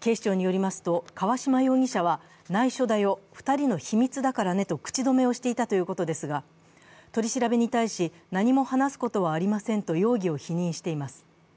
警視庁によりますと、河嶌容疑者はないしょだよ、２人の秘密だからねと口止めをしていたということですが取り調べに対し、何も話すことはありませんと容疑を否認しています。